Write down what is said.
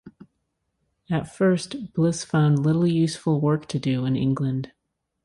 At first, Bliss found little useful work to do in England.